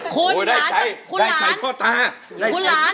คุณหลานคุณหลานหลาน